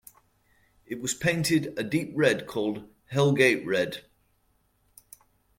It was painted a deep red called "Hell Gate Red".